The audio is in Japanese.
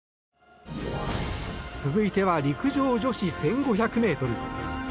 続いては陸上女子１５００ｍ。